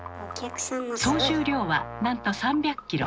総重量はなんと３００ｋｇ。